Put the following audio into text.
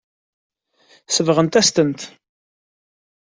Sebɣent-as-tent.